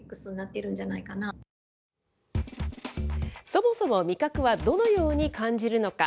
そもそも味覚はどのように感じるのか。